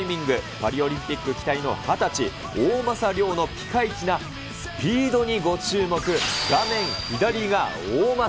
パリオリンピック期待の２０歳、大政涼のピカイチなスピードにご注目。